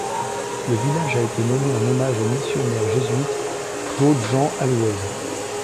Le village a été nommé en hommage au missionnaire jésuite Claude-Jean Allouez.